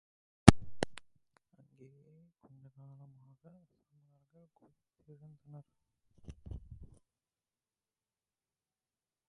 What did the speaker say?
அங்கேயே கொஞ்சகாலமாக, சமணர்கள் கொதித்தெழுந்தனர்.